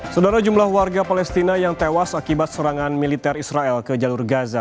saudara jumlah warga palestina yang tewas akibat serangan militer israel ke jalur gaza